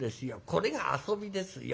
これが遊びですよ。